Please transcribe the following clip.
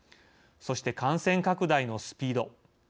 そして感染拡大のスピード。